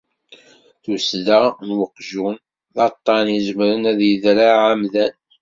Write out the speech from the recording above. Tussḍa n weqjun d aṭṭan izemren ad yedreɛ amdan.